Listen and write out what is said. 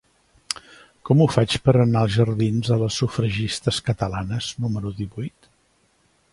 Com ho faig per anar als jardins de les Sufragistes Catalanes número divuit?